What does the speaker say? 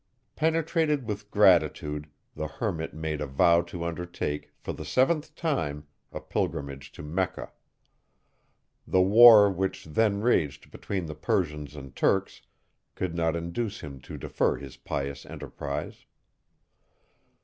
Penetrated with gratitude, the hermit made a vow to undertake, for the seventh time, a pilgrimage to Mecca. The war which then raged between the Persians and Turks, could not induce him to defer his pious enterprise.